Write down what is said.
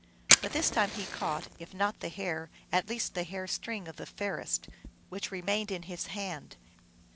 But this time he caught, if not the hair, at least the hair string, of the fairest, which remained in his hand.